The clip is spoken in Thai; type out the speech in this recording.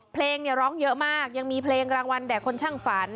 เพลงเนี่ยร้องเยอะมากยังมีเพลงรางวัลแด่คนช่างฝัน